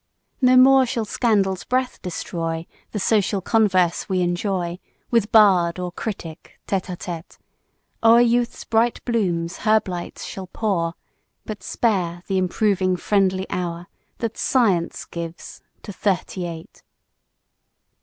No more shall scandal's breath destroy The social converse we enjoy With bard or critic tete a tete; O'er youth's bright blooms her blights shall pour, But spare the improving friendly hour That science gives to Thirty eight.